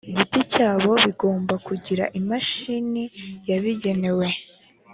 giti cyabo bigomba kugira imashini yabigenewe